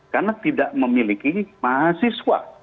karena tidak memiliki mahasiswa